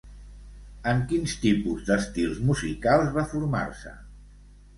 En quins tipus d'estils musicals va formar-se?